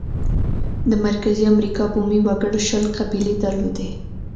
د مرکزي امریکا بومي وګړو شل قبیلې درلودې.